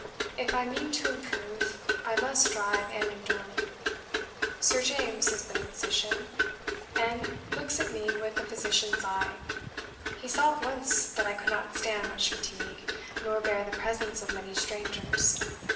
If I mean to improve, I must strive and endure. ... Sir James has been a physician, and looks at me with a physician's eye: he saw at once that I could not stand much fatigue, nor bear the presence of many strangers.